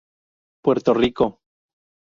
Puerto Rico.